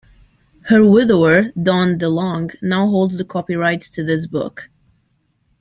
Her widower, Don DeLong, now holds the copyrights to this book.